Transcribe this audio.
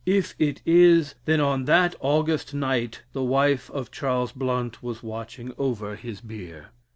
If it is, then on that August night the wife of Charles Blount was watching over his bier.